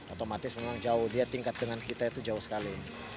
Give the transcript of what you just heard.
otomatis memang jauh dia tingkat dengan kita itu jauh sekali